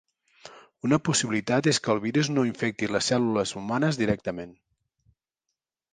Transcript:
Una possibilitat és que el virus no infecti les cèl·lules humanes directament.